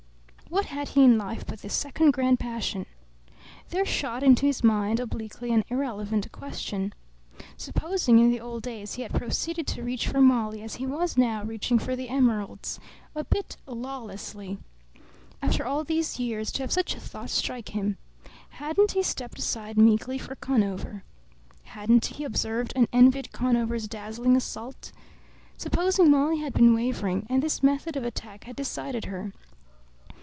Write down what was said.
What had he in life but this second grand passion? There shot into his mind obliquely an irrelevant question. Supposing, in the old days, he had proceeded to reach for Molly as he was now reaching for the emeralds a bit lawlessly? After all these years, to have such a thought strike him! Hadn't he stepped aside meekly for Conover? Hadn't he observed and envied Conover's dazzling assault? Supposing Molly had been wavering, and this method of attack had decided her?